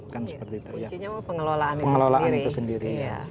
kuncinya pengelolaan itu sendiri